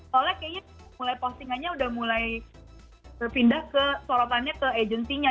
soalnya kayaknya mulai postingannya udah mulai terpindah ke sorotannya ke agencynya